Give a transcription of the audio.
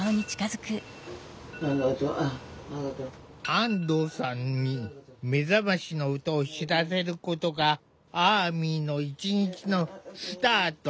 安藤さんに目覚ましの音を知らせることがアーミの一日のスタート。